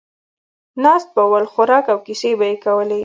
ناست به ول، خوراک او کیسې به یې کولې.